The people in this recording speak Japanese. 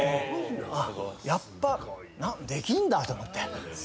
あっやっぱできるんだと思って。